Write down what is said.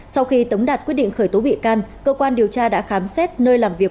sau khi tống đạt quyết định khởi tố bị can cơ quan điều tra đã khám xét nơi làm việc